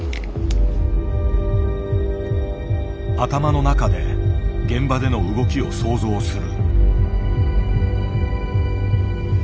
頭の中で現場での動きを想像する。